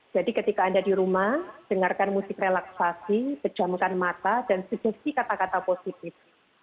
jadi ketika anda di rumah dengarkan musik relaksasi pejamkan mata dan sugesti kata kata positif